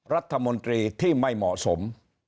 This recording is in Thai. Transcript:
รัฐมนตรีที่ไม่เหมาะสม